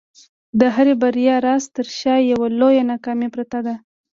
د هري بریا راز تر شا یوه لویه ناکامي پرته ده.